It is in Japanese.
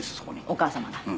お母様が。